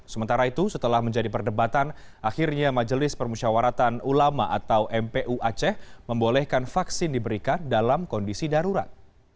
sementara itu setelah menjadi perdebatan akhirnya majelis permusyawaratan ulama atau mpu aceh membolehkan vaksin diberikan dalam kondisi darurat